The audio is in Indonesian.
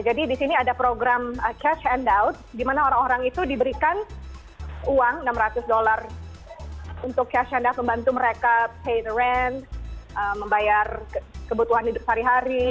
jadi di sini ada program cash hand out di mana orang orang itu diberikan uang enam ratus dollar untuk cash hand out membantu mereka pay the rent membayar kebutuhan hidup sehari hari